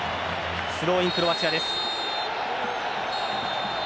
スローイン、クロアチアです。